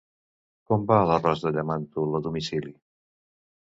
Com va l'arròs de llamàntol a domicili?